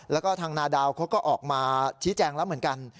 แล้วก็ทางนาดาวเขาก็ออกมาชี้แจงแล้วเหมือนกัน